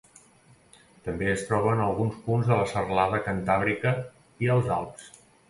També es troba en alguns punts de la serralada cantàbrica i als Alps.